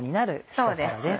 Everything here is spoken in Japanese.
そうです。